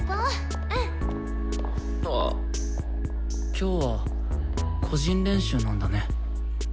今日は個人練習なんだね。